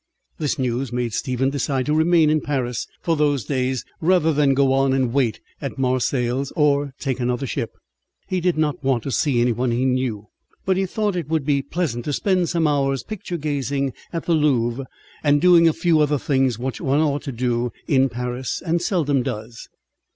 This news made Stephen decide to remain in Paris for those days, rather than go on and wait at Marseilles, or take another ship. He did not want to see any one he knew, but he thought it would be pleasant to spend some hours picture gazing at the Louvre, and doing a few other things which one ought to do in Paris, and seldom does.